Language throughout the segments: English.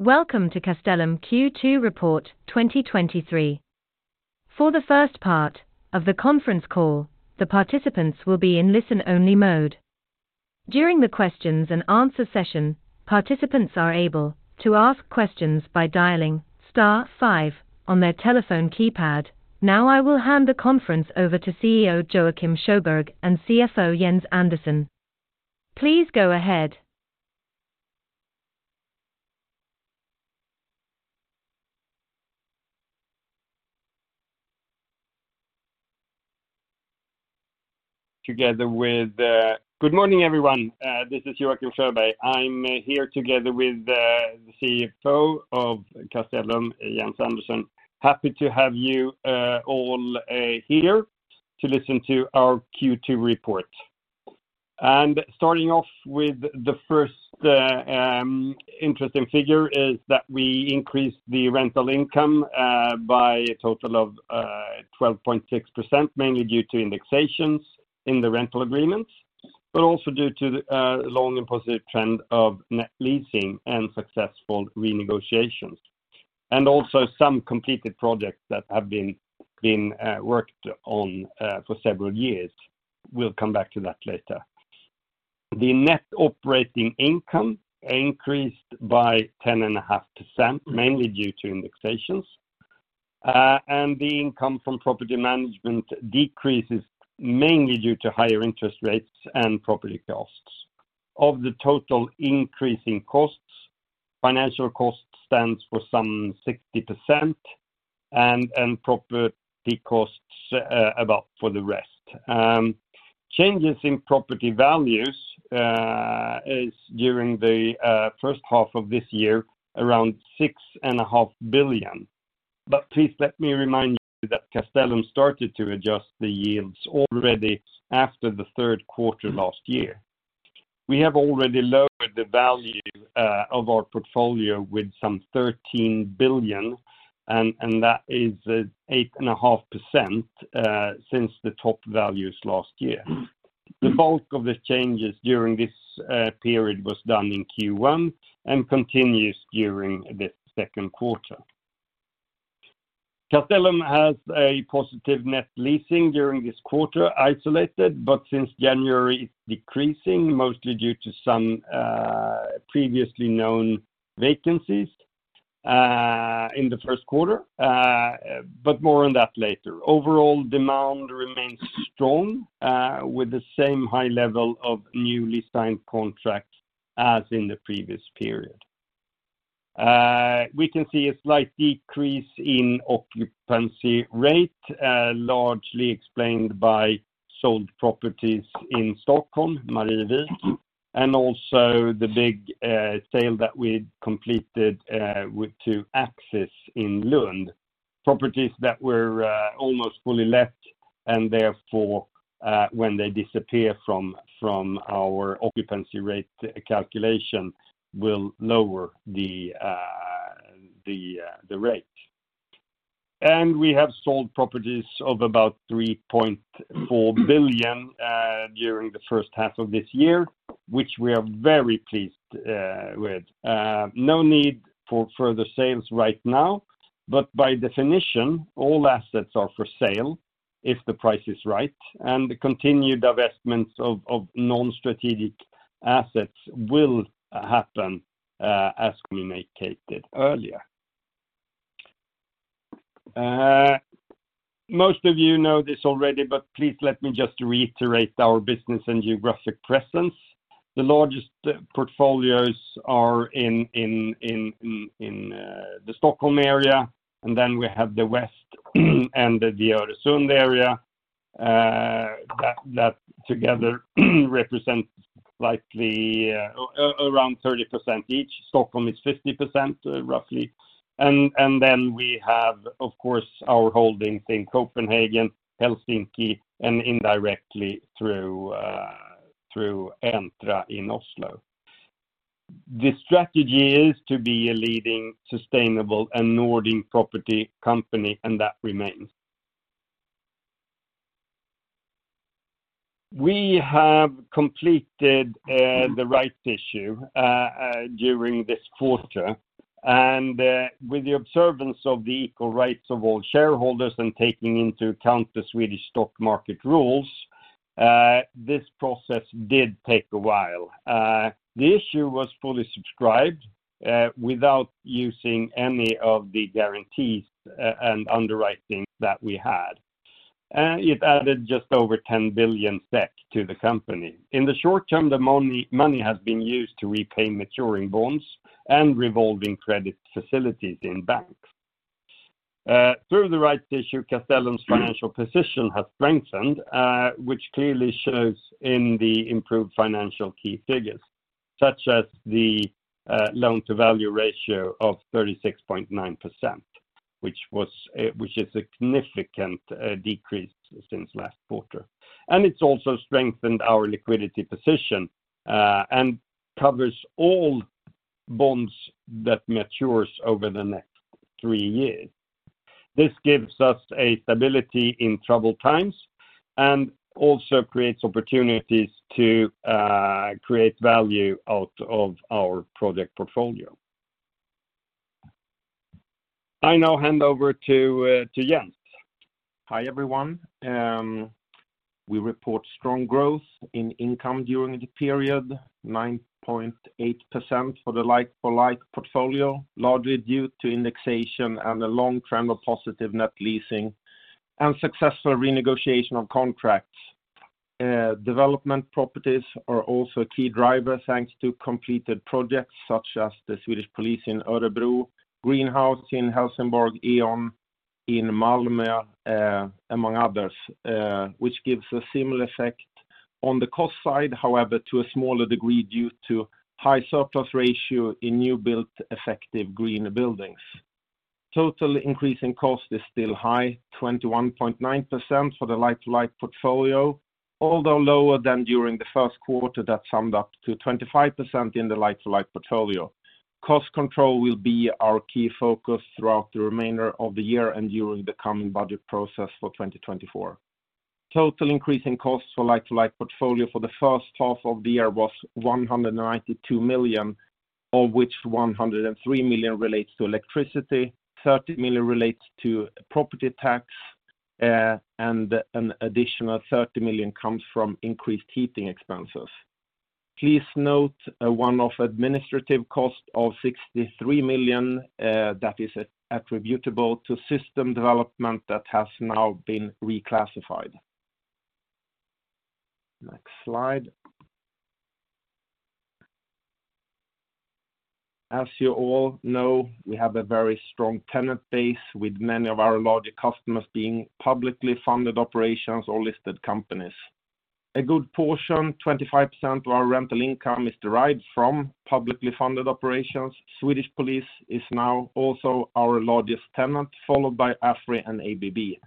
Welcome to Castellum Q2 Report 2023. For the first part of the conference call, the participants will be in listen-only mode. During the questions and answer session, participants are able to ask questions by dialing star five on their telephone keypad. Now, I will hand the conference over to CEO Joacim Sjöberg and CFO Jens Andersson. Please go ahead. Good morning, everyone. This is Joacim Sjöberg. I'm here together with the CFO of Castellum, Jens Andersson. Happy to have you all here to listen to our Q2 report. Starting off with the first interesting figure is that we increased the rental income by a total of 12.6%, mainly due to indexations in the rental agreements, but also due to the long and positive trend of net leasing and successful renegotiations, and also some completed projects that have been worked on for several years. We'll come back to that later. The net operating income increased by 10.5%, mainly due to indexations. The income from property management decreases mainly due to higher interest rates and property costs. Of the total increase in costs, financial cost stands for some 60%, and property costs account for the rest. Changes in property values is during the first half of this year, around 6.5 billion. Please let me remind you that Castellum started to adjust the yields already after the Q3 last year. We have already lowered the value of our portfolio by some 13 billion, and that is 8.5% since the top values last year. The bulk of the changes during this period was done in Q1 and continues during this Q2. Castellum has positive net leasing during this quarter, isolated, but since January, it's decreasing, mostly due to some previously known vacancies in the Q1, but more on that later. Overall, demand remains strong, with the same high level of newly signed contracts as in the previous period. We can see a slight decrease in occupancy rate, largely explained by sold properties in Stockholm, Marievik, and also the big sale that we completed with two Axis in Lund. Properties that were almost fully let, and therefore, when they disappear from our occupancy rate calculation, they will lower the rate. We have sold properties of about 3.4 billion during the first half of this year, which we are very pleased with. No need for further sales right now, but by definition, all assets are for sale if the price is right, and the continued divestments of non-strategic assets will happen as communicated earlier. Most of you know this already, but please let me just reiterate our business and geographic presence. The largest portfolios are in the Stockholm area, then we have the West and the Øresund area. That together represents likely around 30% each. Stockholm is 50%, roughly. Then we have, of course, our holdings in Copenhagen, Helsinki, and indirectly through Entra in Oslo. The strategy is to be a leading, sustainable, and Nordic property company, and that remains. We have completed the rights issue during this quarter. With the observance of equal rights of all shareholders and taking into account the Swedish stock market rules, this process did take a while. The issue was fully subscribed without using any of the guarantees and underwriting that we had, and it added just over 10 billion SEK to the company. In the short term, the money has been used to repay maturing bonds and revolving credit facilities in banks. Through the rights issue, Castellum's financial position has strengthened, which clearly shows in the improved financial key figures, such as the loan-to-value ratio of 36.9%, which was, which is a significant decrease since last quarter. It's also strengthened our liquidity position and covers all bonds that mature over the next three years. This gives us a stability in troubled times, and also creates opportunities to create value out of our project portfolio. I now hand over to Jens. Hi, everyone. We report strong growth in income during the period: 9.8% for the like-for-like portfolio, largely due to indexation and a long trend of positive net leasing and successful renegotiation of contracts. Development properties are also a key driver, thanks to completed projects such as the Swedish Police in Örebro, GreenHaus in Helsingborg, E.ON in Malmö, among others, which give a similar effect on the cost side, however, to a smaller degree, due to high surplus ratio in newly built, effective green buildings. Total increase in costs is still high, 21.9% for the like-for-like portfolio, although lower than during the Q1, that summed up to 25% in the like-for-like portfolio. Cost control will be our key focus throughout the remainder of the year and during the coming budget process for 2024. Total increase in costs for like-for-like portfolio for the first half of the year was 192 million, of which 103 million relates to electricity, 30 million relates to property tax, and an additional 30 million comes from increased heating expenses. Please note, a one-off administrative cost of 63 million that is attributable to system development that has now been reclassified. Next slide. As you all know, we have a very strong tenant base, with many of our larger customers being publicly funded operations or listed companies. A good portion, 25% of our rental income, is derived from publicly funded operations. Swedish Police is now also our largest tenant, followed by AFRY and ABB.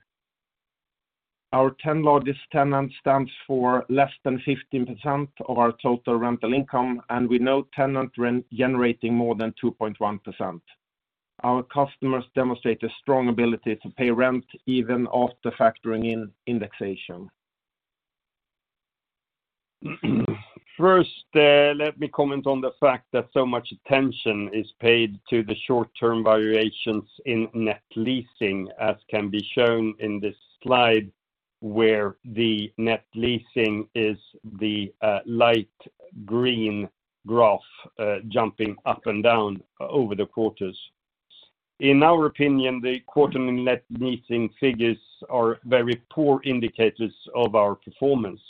Our 10 largest tenants stands for less than 15% of our total rental income, and we know tenant rent generating more than 2.1%. Our customers demonstrate a strong ability to pay rent even after factoring in indexation. First, let me comment on the fact that so much attention is paid to the short-term variations in net leasing, as can be shown in this slide, where the net leasing is the light green graph, jumping up and down over the quarters. In our opinion, the quarterly net leasing figures are very poor indicators of our performance.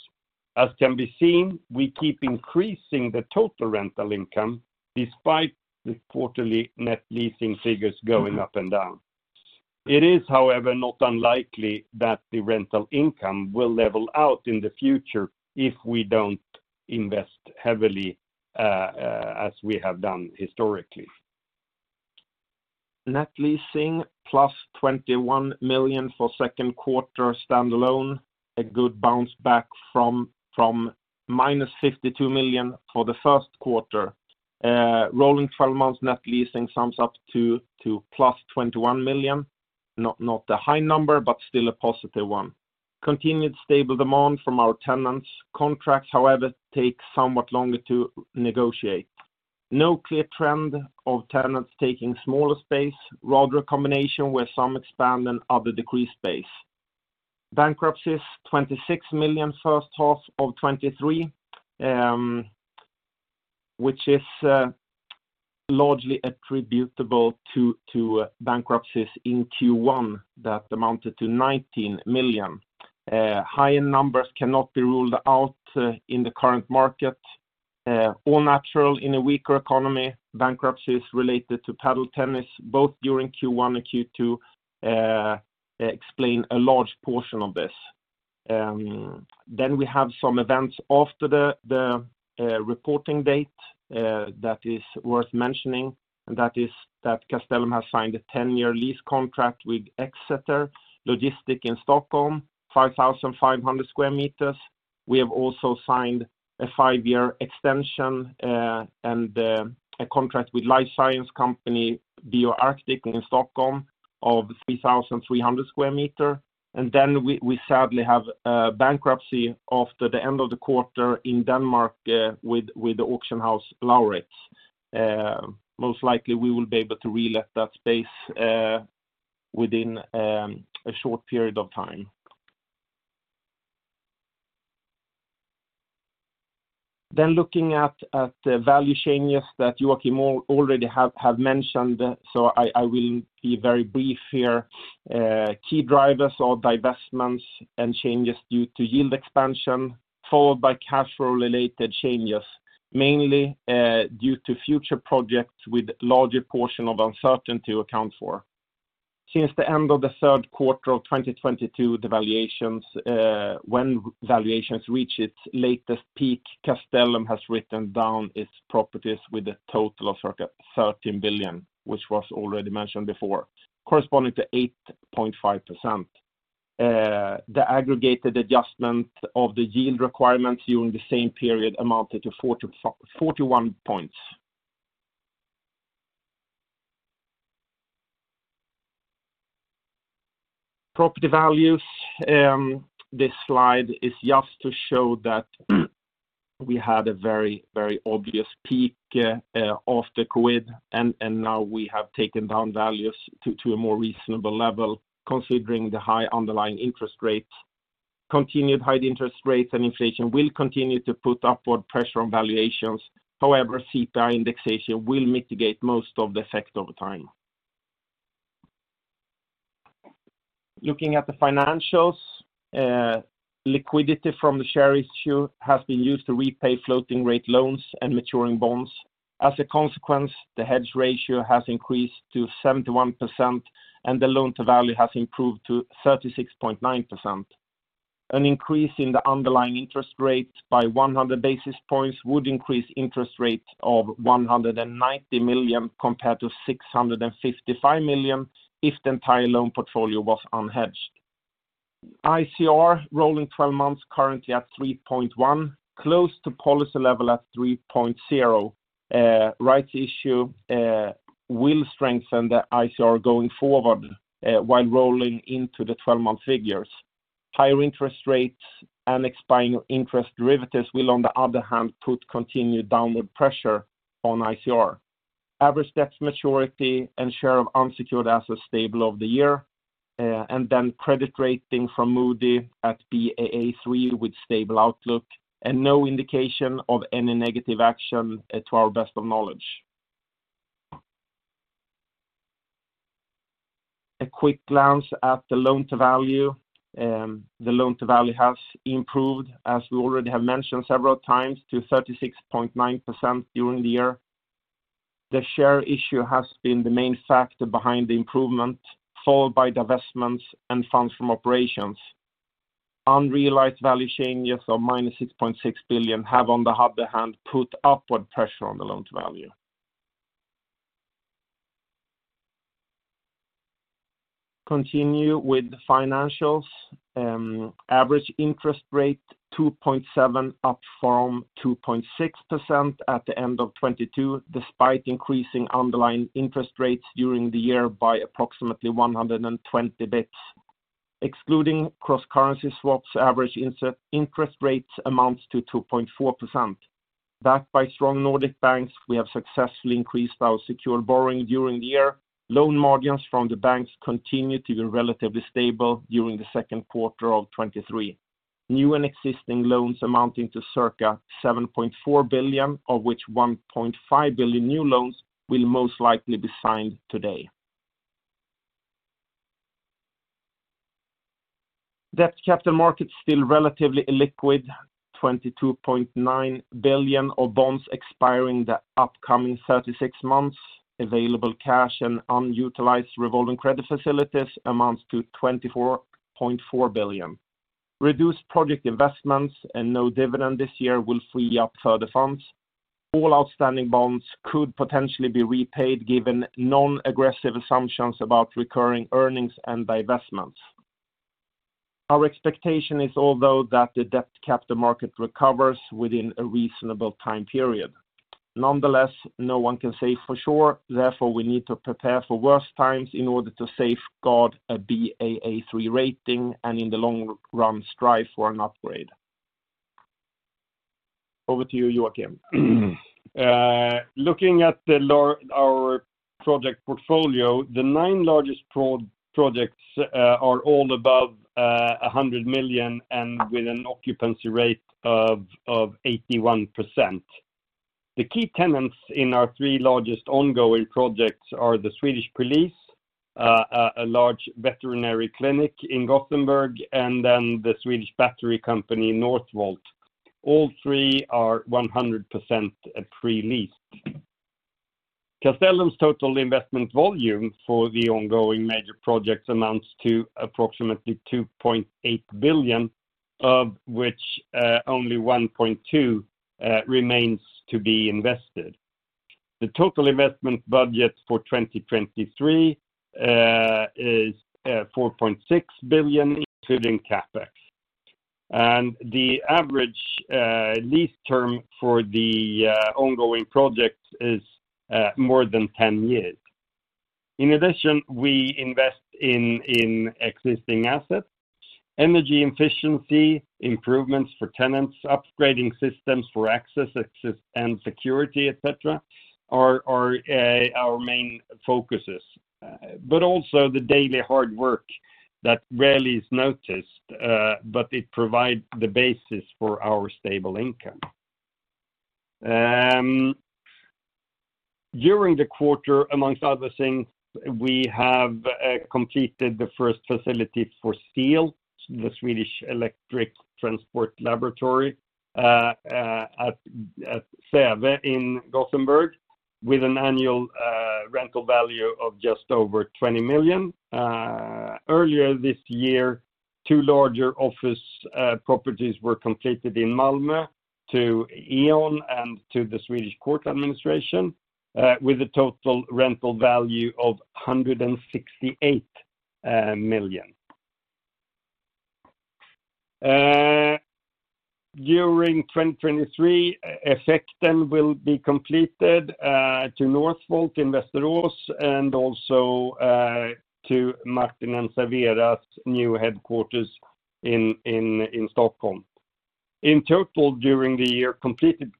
As can be seen, we keep increasing the total rental income despite the quarterly net leasing figures going up and down. It is, however, not unlikely that the rental income will level out in the future if we don't invest heavily, as we have done historically. Net leasing, +21 million for Q2 standalone, a good bounce-back from -52 million for the Q1. Rolling 12 months net leasing sums up to +21 million. Not a high number, but still a positive one. Continued stable demand from our tenants. Contracts, however, are taking somewhat longer to negotiate. No clear trend of tenants taking smaller space, rather a combination where some expand and other decrease space. Bankruptcies, 26 million first half of 2023, which is largely attributable to bankruptcies in Q1 that amounted to 19 million. Higher numbers cannot be ruled out in the current market. All natural in a weaker economy, bankruptcies related to padel tennis, both during Q1 and Q2, explain a large portion of this. We have some events after the reporting date that is worth mentioning, and that is that Castellum has signed a 10-year lease contract with EQT Exeter in Stockholm, 5,500 sq m. We have also signed a five-year extension and a contract with life science company, BioArctic, in Stockholm of 3,300 sq m. We sadly had a bankruptcy after the end of the quarter in Denmark with the auction house, Lauritz.com. Most likely, we will be able to relet that space within a short period of time. Looking at the value changes that Joacim already has mentioned, so I will be very brief here. Key drivers or divestments and changes due to yield expansion, followed by cash flow-related changes, mainly due to future projects with larger portion of uncertainty to account for. Since the end of the Q3 of 2022, the valuations, when valuations reached its latest peak, Castellum has written down its properties with a total of circa 13 billion, which was already mentioned before, corresponding to 8.5%. The aggregated adjustment of the yield requirement during the same period amounted to 41 points. Property values, this slide is just to show that we had a very obvious peak after COVID, and now we have taken down values to a more reasonable level, considering the high underlying interest rates. Continued high interest rates and inflation will continue to put upward pressure on valuations. CPI indexation will mitigate most of the effect over time. Looking at the financials, liquidity from the share issue has been used to repay floating rate loans and maturing bonds. As a consequence, the hedge ratio has increased to 71%, and the loan-to-value has improved to 36.9%. An increase in the underlying interest rate by 100 basis points would increase interest rates of 190 million, compared to 655 million, if the entire loan portfolio was unhedged. ICR, rolling 12 months, currently at 3.1, close to policy level at 3.0. Rights issue will strengthen the ICR going forward while rolling into the 12-month figures. Higher interest rates and expiring interest derivatives will, on the other hand, put continued downward pressure on ICR. Average debts maturity and share of unsecured assets stable over the year. The credit rating from Moody's at Baa3 with stable outlook, and no indication of any negative action to our best of knowledge. A quick glance at the loan-to-value. The loan-to-value has improved, as we already have mentioned several times, to 36.9% during the year. The share issue has been the main factor behind the improvement, followed by divestments and funds from operations. Unrealized value changes of minus 6.6 billion have, on the other hand, put upward pressure on the loan-to-value. Continue with the financials. Average interest rate is 2.7%, up from 2.6% at the end of 2022, despite increasing underlying interest rates during the year by approximately 120 basis points. Excluding cross-currency swaps, average interest rates amounts to 2.4%. Backed by strong Nordic banks, we have successfully increased our secured borrowing during the year. Loan margins from the banks continue to be relatively stable during the Q2 of 2023. New and existing loans amounting to circa 7.4 billion, of which 1.5 billion new loans, will most likely be signed today. Debt capital markets still relatively illiquid, 22.9 billion of bonds expiring in the upcoming 36 months. Available cash and unutilized revolving credit facilities amounts to 24.4 billion. Reduced project investments and no dividend this year will free up further funds. All outstanding bonds could potentially be repaid, given non-aggressive assumptions about recurring earnings and divestments. Our expectation is, although, that the debt capital market recovers within a reasonable time period. No one can say for sure. We need to prepare for worse times in order to safeguard a Baa3 rating, and in the long run, strive for an upgrade. Over to you, Joacim. Looking at our project portfolio, the nine largest projects are all above 100 million and with an occupancy rate of 81%. The key tenants in our three largest ongoing projects are the Swedish Police, a large veterinary clinic in Gothenburg, and then the Swedish battery company, Northvolt. All three are 100% pre-leased. Castellum's total investment volume for the ongoing major projects amounts to approximately 2.8 billion, of which only 1.2 billion remains to be invested. The total investment budget for 2023 is 4.6 billion, including CapEx. The average lease term for the ongoing projects is more than 10 years. In addition, we invest in existing assets. Energy efficiency, improvements for tenants, upgrading systems for access and security, et cetera, are our main focus. But also the daily hard work that is rarely noticed, but it provides the basis for our stable income. During the quarter, amongst other things, we have completed the first facility for SEEL, the Swedish Electric Transport Laboratory at Säve in Gothenburg, with an annual rental value of just over 20 million. Earlier this year, two larger office properties were completed in Malmö to E.ON and to the Swedish National Courts Administration, with a total rental value of 168 million. During 2023, Effekt 13 will be completed to Northvolt in Västerås, and also to Martin & Servera's new headquarters in Stockholm. In total, during the year, completed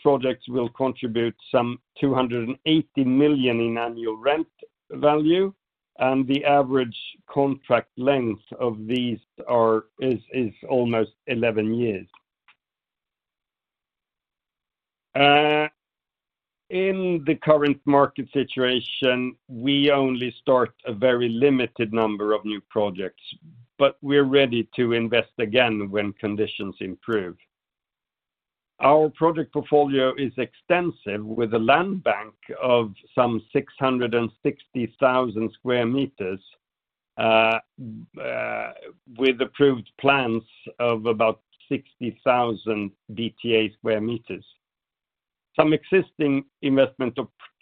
projects will contribute some 280 million in annual rent value, and the average contract length of these is almost 11 years. In the current market situation, we only start a very limited number of new projects, but we're ready to invest again when conditions improve. Our project portfolio is extensive, with a land bank of some 660,000 sq m, with approved plans of about 60,000 DTA sq m. Some existing investment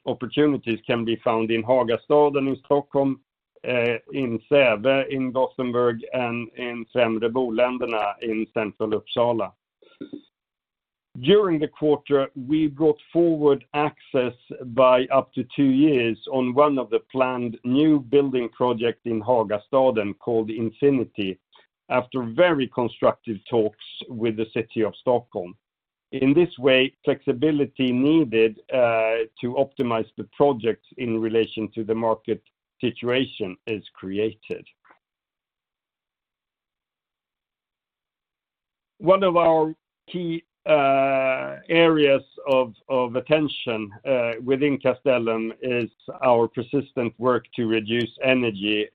opportunities can be found in Hagastaden in Stockholm, in Säve, in Gothenburg, and in Södra Boländerna in central Uppsala. During the quarter, we brought forward access by up to two years on one of the planned new building project in Hagastaden, called Infinity, after very constructive talks with the city of Stockholm. In this way, flexibility needed to optimize the projects in relation to the market situation is created. One of our key areas of attention within Castellum is our persistent work to reduce energy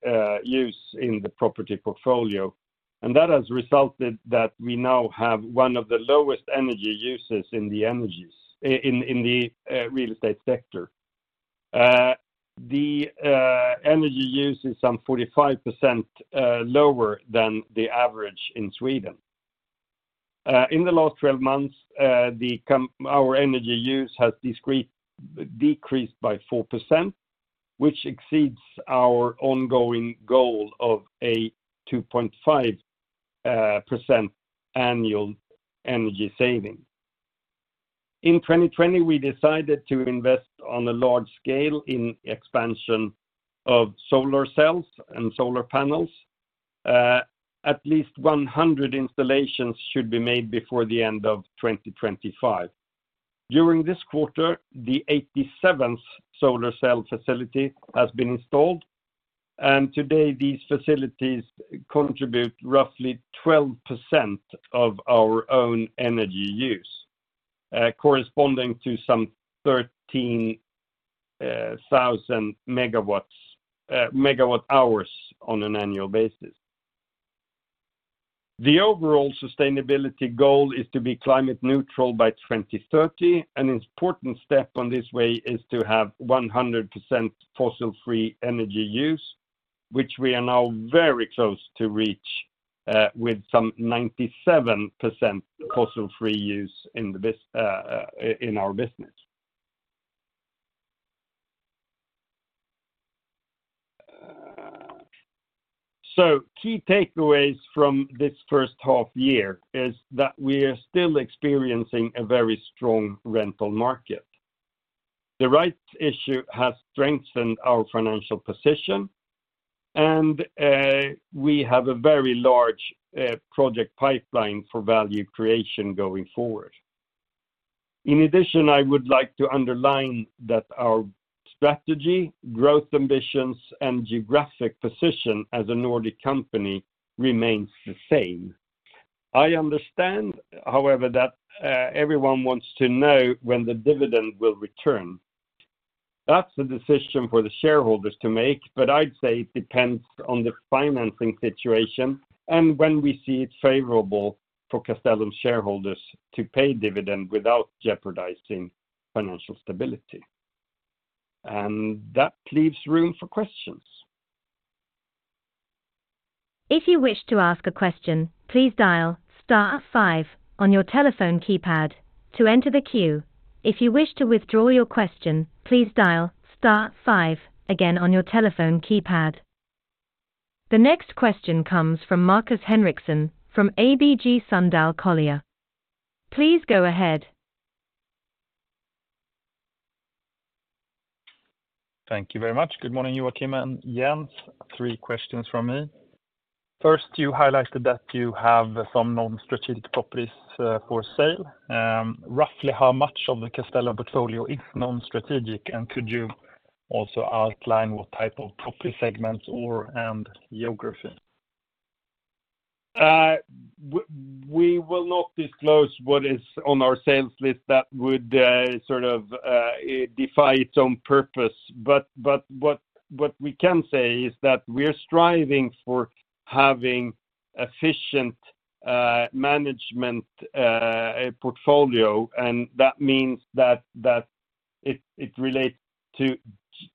use in the property portfolio, and that has resulted that we now have one of the lowest energy use in the real estate sector. The energy use is some 45% lower than the average in Sweden. In the last 12 months, our energy use has decreased by 4%, which exceeds our ongoing goal of a 2.5% annual energy saving. In 2020, we decided to invest on a large scale in expansion of solar cells and solar panels. At least 100 installations should be made before the end of 2025. During this quarter, the 87th solar cell facility has been installed. Today these facilities contribute roughly 12% of our own energy use, corresponding to some 13,000 MWh on an annual basis. The overall sustainability goal is to be climate neutral by 2030. An important step on this way is to have 100% fossil-free energy use, which we are now very close to reach, with some 97% fossil-free use in the business. Key takeaways from this first half year is that we are still experiencing a very strong rental market. The rights issue has strengthened our financial position, we have a very large project pipeline for value creation going forward. In addition, I would like to underline that our strategy, growth ambitions, and geographic position as a Nordic company remains the same. I understand, however, that everyone wants to know when the dividend will return. That's a decision for the shareholders to make, but I'd say it depends on the financing situation and when we see it favorable for Castellum shareholders to pay dividend without jeopardizing financial stability. That leaves room for questions. If you wish to ask a question, please dial star five on your telephone keypad to enter the queue. If you wish to withdraw your question, please dial star five again on your telephone keypad. The next question comes from Markus Henriksson, from ABG Sundal Collier. Please go ahead. Thank you very much. Good morning, Joacim and Jens. Three questions from me. First, you highlighted that you have some non-strategic properties for sale. Roughly how much of the Castellum portfolio is non-strategic, and could you also outline what type of property segments or, and geography? We will not disclose what is on our sales list. That would sort of defy its own purpose, but what we can say is that we are striving for having efficient management portfolio, and that means that it relates to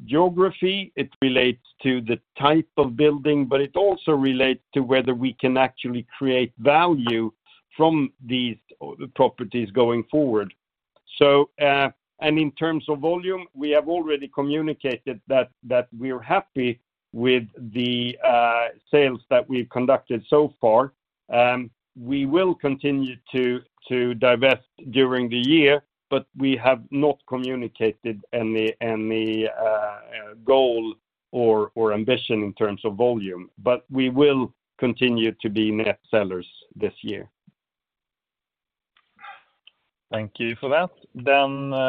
geography, it relates to the type of building, but it also relates to whether we can actually create value from these properties going forward. In terms of volume, we have already communicated that we're happy with the sales that we've conducted so far. We will continue to divest during the year, but we have not communicated any goal or ambition in terms of volume. We will continue to be net sellers this year. Thank you for that.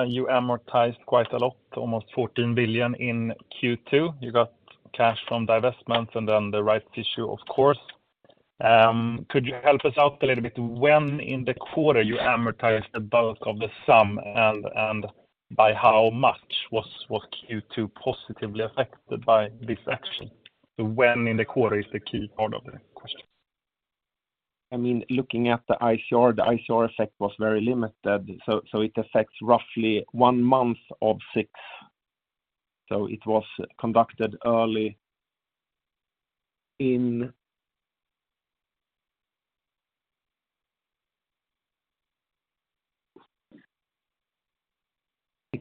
You amortized quite a lot, almost 14 billion in Q2. You got cash from divestments, the rights issue, of course. Could you help us out a little bit, when in the quarter you amortized the bulk of the sum, and by how much was Q2 positively affected by this action? The when in the quarter is the key part of the question. I mean, looking at the IFRS, the IFRS effect was very limited, so it affects roughly one month of six. It was conducted early in.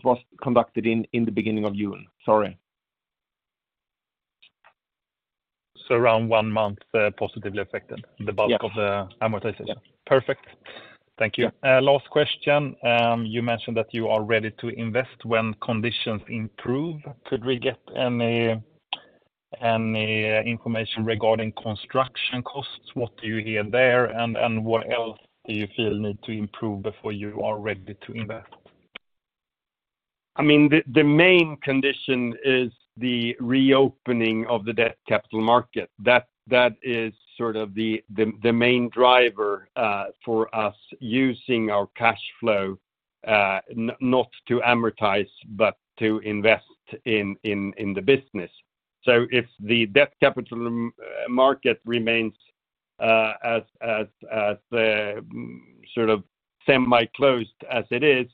It was conducted in the beginning of June. Sorry. around one month, positively affected-. Yeah.the bulk of the amortization? Yeah. Perfect. Thank you. Yeah. Last question. You mentioned that you are ready to invest when conditions improve. Could we get any information regarding construction costs? What do you hear there, and what else do you feel need to improve before you are ready to invest? I mean, the main condition is the reopening of the debt capital market. That is sort of the main driver for us using our cash flow not to amortize, but to invest in the business. If the debt capital market remains as sort of semi-closed as it is,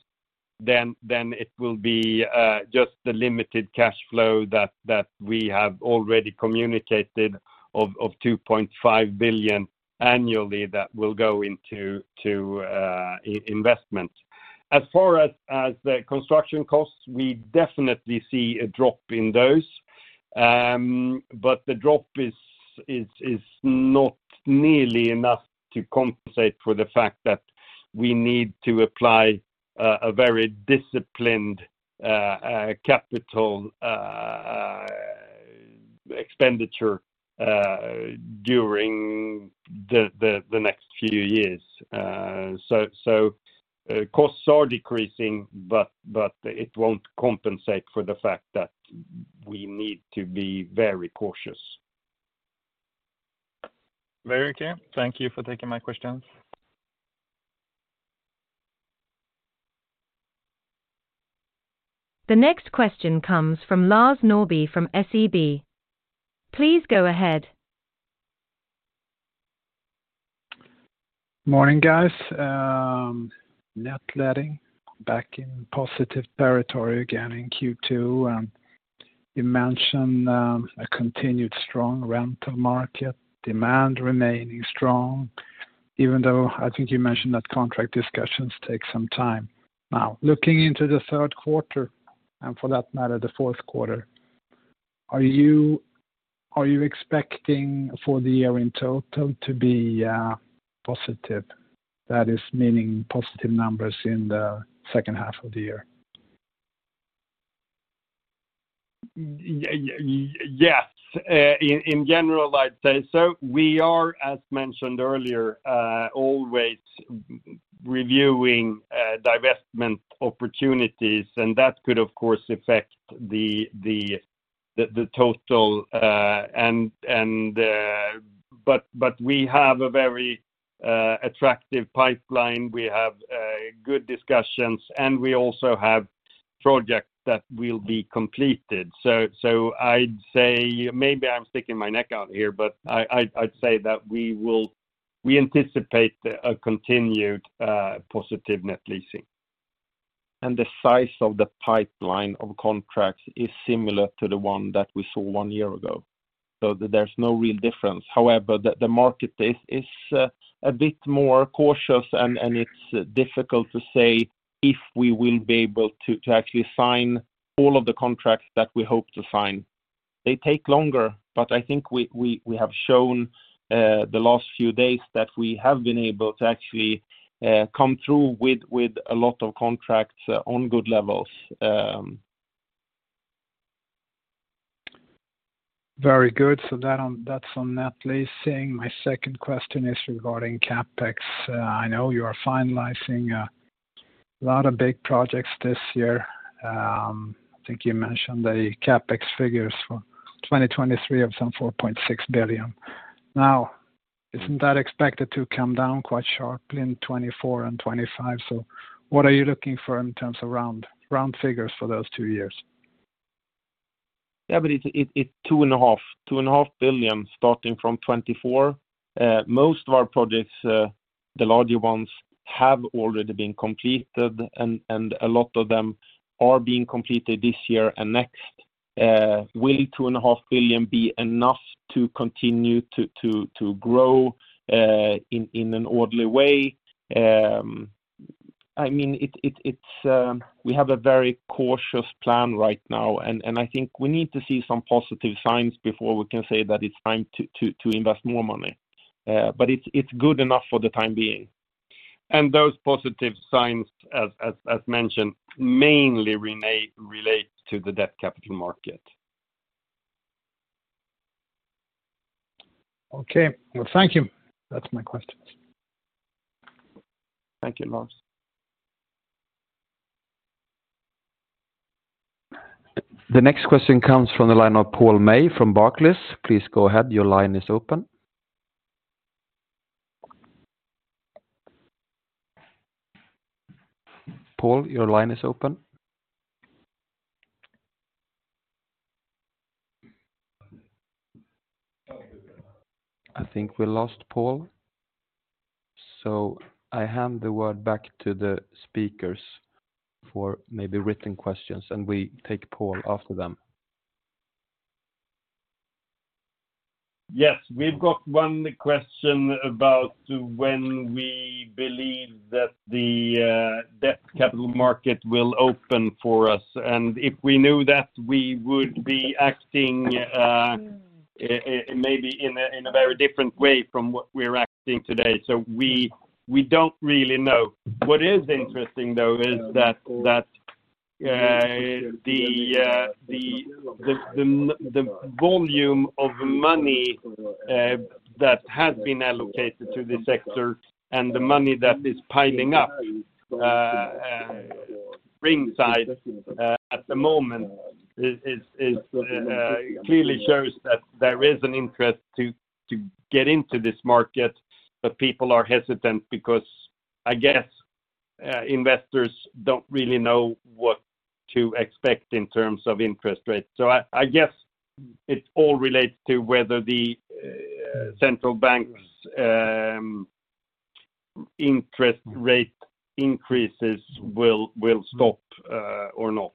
then it will be just the limited cash flow that we have already communicated of 2.5 billion annually that will go into investment. As far as the construction costs, we definitely see a drop in those. But the drop is not nearly enough to compensate for the fact that we need to apply a very disciplined capital expenditure during the next few years. Costs are decreasing, but it won't compensate for the fact that we need to be very cautious. Very clear. Thank you for taking my questions. The next question comes from Lars Norrby, from SEB. Please go ahead. Morning, guys. Net letting back in positive territory again in Q2, and you mentioned a continued strong rental market, demand remaining strong, even though I think you mentioned that contract discussions take some time. Looking into the Q3, and for that matter, the Q4, are you expecting for the year in total to be positive, meaning positive numbers in the second half of the year? Yes, in general, I'd say so. We are, as mentioned earlier, always reviewing divestment opportunities, and that could, of course, affect the total. We have a very attractive pipeline. We have good discussions, and we also have projects that will be completed. I'd say, maybe I'm sticking my neck out here, but I'd say that we anticipate a continued positive net leasing. The size of the pipeline of contracts is similar to the one that we saw one year ago, so there's no real difference. However, the market is a bit more cautious, and it's difficult to say if we will be able to actually sign all of the contracts that we hope to sign. They take longer, I think we have shown the last few days that we have been able to actually come through with a lot of contracts on good levels. Very good. That on, that's on net leasing. My second question is regarding CapEx. I know you are finalizing a lot of big projects this year. I think you mentioned the CapEx figures for 2023 of some 4.6 billion. Isn't that expected to come down quite sharply in 2024 and 2025? What are you looking for in terms of round figures for those two years? It's SEK two and a half billion, starting from 2024. Most of our projects, the larger ones, have already been completed, and a lot of them are being completed this year and next. Will two and a half billion be enough to continue to grow in an orderly way? I mean, it's we have a very cautious plan right now, and I think we need to see some positive signs before we can say that it's time to invest more money. It's good enough for the time being. Those positive signs, as mentioned, mainly relate to the debt capital market. Okay. Well, thank you. That's my questions. Thank you, Lars. The next question comes from the line of Paul May from Barclays. Please go ahead. Your line is open. Paul, your line is open. I think we lost Paul, so I hand the word back to the speakers for maybe written questions. We take Paul after them. We've got one question about when we believe that the debt capital market will open for us, and if we knew that, we would be acting maybe in a very different way from what we're acting today. We don't really know. What is interesting, though, is that the volume of money that has been allocated to the sector and the money that is piling up ringside at the moment is clearly shows that there is an interest to get into this market. People are hesitant because I guess investors don't really know what to expect in terms of interest rates. I guess it all relates to whether the central bank's interest rate increases will stop or not.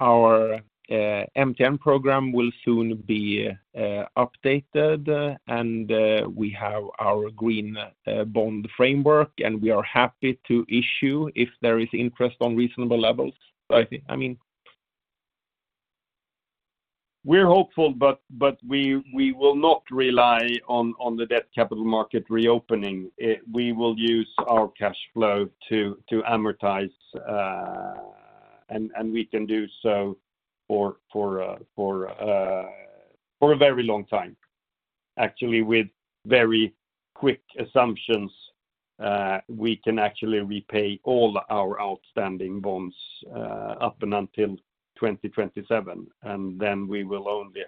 Our MTN program will soon be updated, and we have our green bond framework, and we are happy to issue if there is interest on reasonable levels. I think, I mean. We're hopeful, but we will not rely on the debt capital market reopening. We will use our cash flow to amortize, and we can do so for a very long time. Actually, with very quick assumptions, we can actually repay all our outstanding bonds up and until 2027, and then we will only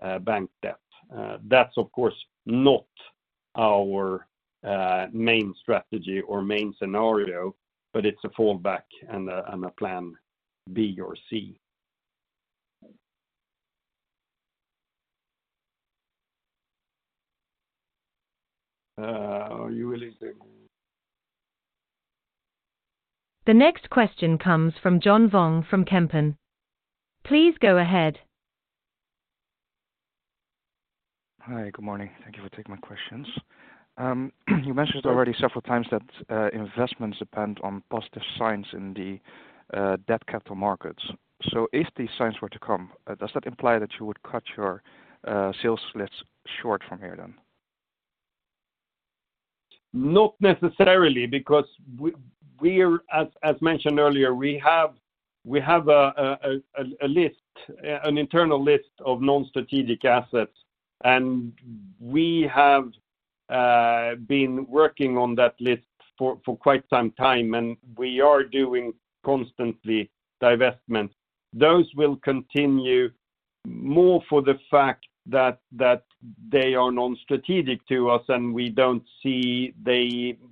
have bank debt. That's of course, not our main strategy or main scenario, but it's a fallback and a plan B or C. Are you released there? The next question comes from John Vuong from Kempen. Please go ahead. Hi, good morning. Thank you for taking my questions. You mentioned already several times that investments depend on positive signs in the debt capital markets. If these signs were to come, does that imply that you would cut your sales list short from here then? Not necessarily, because we are, as mentioned earlier, we have a list, an internal list of non-strategic assets, and we have been working on that list for quite some time, and we are doing constantly divestment. Those will continue more for the fact that they are non-strategic to us, and we don't see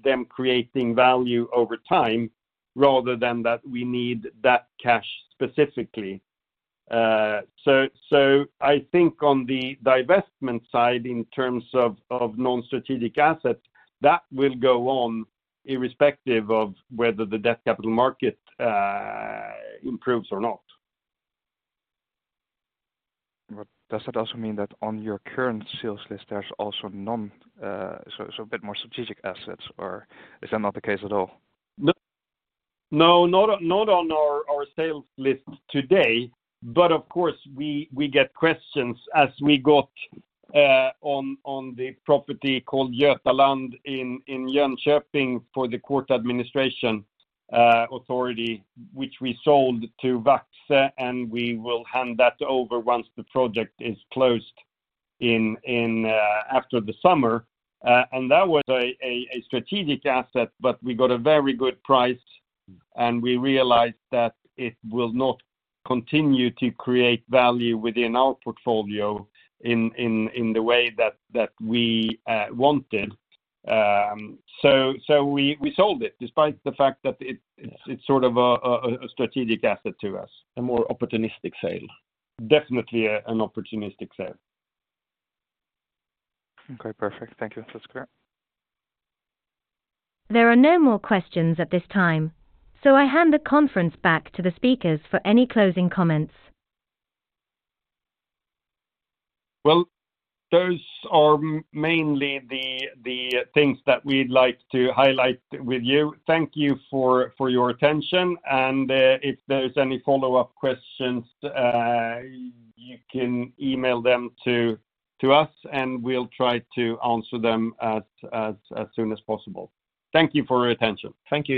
them creating value over time, rather than that we need that cash specifically. I think on the divestment side, in terms of non-strategic assets, that will go on irrespective of whether the debt capital market improves or not. Does that also mean that on your current sales list, there's also non, so a bit more strategic assets, or is that not the case at all? No, not on our sales list today, but of course, we get questions as we got on the property called Götaland in Jönköping for the Court Administration Authority, which we sold to Vasakronan, and we will hand that over once the project is closed in after the summer. That was a strategic asset, but we got a very good price, and we realized that it will not continue to create value within our portfolio in the way that we wanted. We sold it despite the fact that it's sort of a strategic asset to us. A more opportunistic sale? Definitely an opportunistic sale. Okay, perfect. Thank you. That's clear. There are no more questions at this time. I hand the conference back to the speakers for any closing comments. Well, those are mainly the things that we'd like to highlight with you. Thank you for your attention. If there's any follow-up questions, you can email them to us, and we'll try to answer them as soon as possible. Thank you for your attention. Thank you.